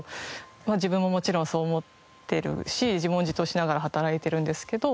自分ももちろんそう思ってるし自問自答しながら働いてるんですけど。